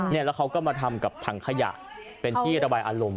แล้วเขาก็มาทำกับถังขยะเป็นที่ระบายอารมณ์